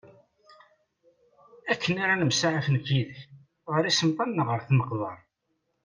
Akken ara nemsaɛaf nekk yid-k ɣer isemṭal neɣ ɣer tmeqbert.